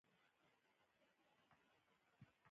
پیرودونکي د خپل حساب په اړه معلومات ترلاسه کولی شي.